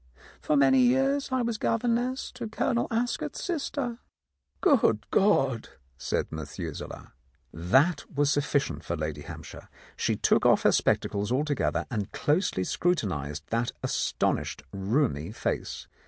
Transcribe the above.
For many years I was governess to Colonel Ascot's sister. "Good God!" said Methuselah. That was sufficient for Lady Hampshire. She took off her spectacles altogether and closely scrutinized that astonished rheumy face.